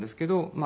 まあ